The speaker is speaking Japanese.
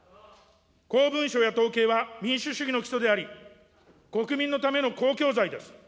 公文書や統計は民主主義の基礎であり、国民のための公共財です。